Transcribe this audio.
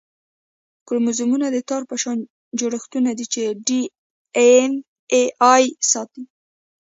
کروموزومونه د تار په شان جوړښتونه دي چې ډي این اې ساتي